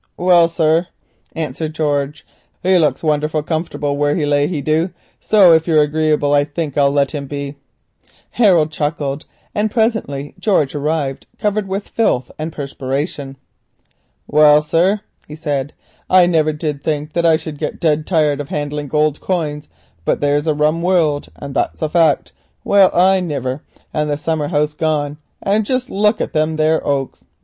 "Well, sir," answered George, "he looks wonderful comfortable where he lay, he du, so if you're agreeable I think I'll let him be." Harold chuckled, and presently George arrived, covered with filth and perspiration. "Well, sir," he said, "I never did think that I should get dead tired of handling gold coin, but it's a rum world, and that's a fact. Well, I niver, and the summer house gone, and jist look at thim there oaks.